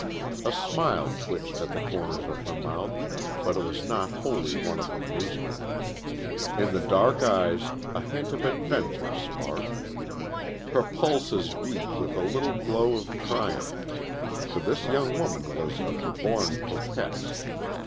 A smile twitched at the corners of her mouth, but it was not wholly one of amusement. In the dark eyes a hint of adventure sparked. Her pulses beat with a little glow of triumph. For this young woman was of the born coquettes.